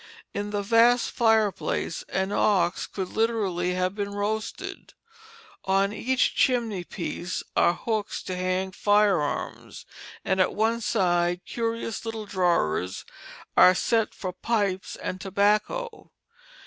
In the vast fireplace an ox could literally have been roasted. On each chimney piece are hooks to hang firearms, and at one side curious little drawers are set for pipes and tobacco.